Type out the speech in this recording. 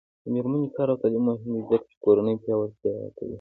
د میرمنو کار او تعلیم مهم دی ځکه چې کورنۍ پیاوړتیا کوي.